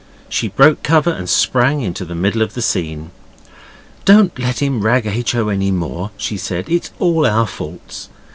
She broke cover and sprang into the middle of the scene. 'Don't let him rag H. O. any more,' she said, 'it's all our faults.